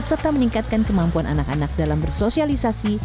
serta meningkatkan kemampuan anak anak dalam bersosialisasi